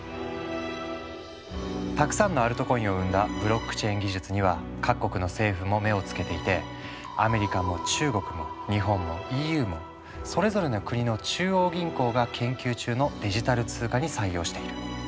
たくさんのアルトコインを生んだブロックチェーン技術には各国の政府も目を付けていてアメリカも中国も日本もＥＵもそれぞれの国の中央銀行が研究中のデジタル通貨に採用している。